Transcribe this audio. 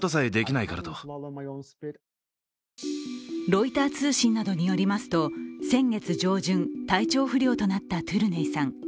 ロイター通信などによりますと先月上旬体調不良となったトゥルネイさん。